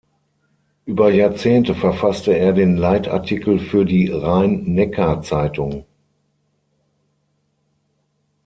Über Jahrzehnte verfasste er den Leitartikel für die Rhein-Neckar-Zeitung.